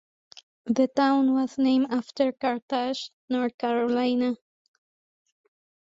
The town was named after Carthage, North Carolina.